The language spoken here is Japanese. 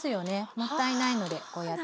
もったいないのでこうやって。